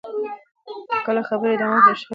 کله چې خبرې دوام وکړي، شخړې نه سختېږي.